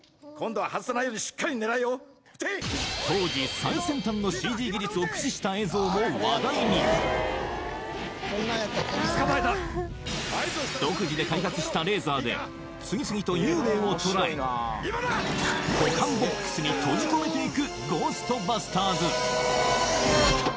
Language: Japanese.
当時最先端のＣＧ技術を駆使した映像も話題に独自で開発したレーザーで次々と幽霊を捕らえ保管ボックスに閉じ込めていくゴーストバスターズ